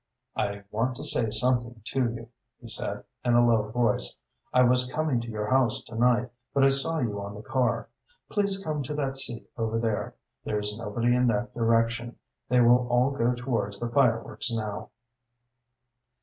"I want to say something to you," he said, in a low voice. "I was coming to your house to night, but I saw you on the car. Please come to that seat over there. There is nobody in that direction. They will all go towards the fireworks now."